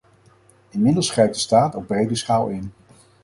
Inmiddels grijpt de staat op brede schaal in.